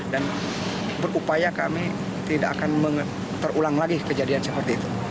dan berupaya kami tidak akan terulang lagi kejadian seperti itu